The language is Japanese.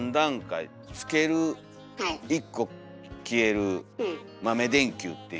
「つける」「１個消える」「豆電球」っていう。